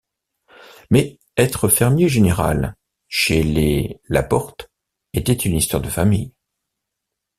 Mais être fermier général, chez les La Porte, était une histoire de famille.